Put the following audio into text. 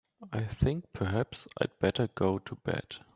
I think perhaps I'd better go to bed.